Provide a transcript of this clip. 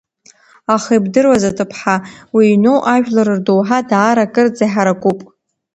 Аха ибдыруаз, аҭыԥҳа, уи иҩноу ажәлар рдоуҳа даара акырӡа иҳаракуп.